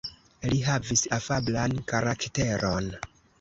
Li havis afablan karakteron.